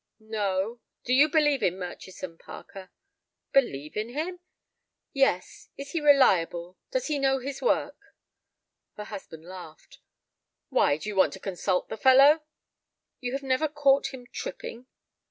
"No. Do you believe in Murchison, Parker?" "Believe in him?" "Yes, is he reliable; does he know his work?" Her husband laughed. "Why, do you want to consult the fellow?" "You have never caught him tripping?"